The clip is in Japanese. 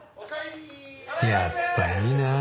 やっぱいいなあ。